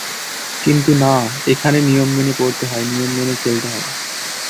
কিন্তু না, এখানে নিয়ম মেনে পড়তে হয়, নিয়ম মেনে খেলতে হয়।